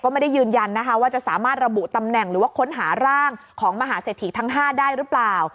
ไม่ได้ยืนยันนะคะว่าจะสามารถระบุตำแหน่งหรือว่าค้นหาร่างของมหาเศรษฐีทั้ง๕ได้หรือเปล่า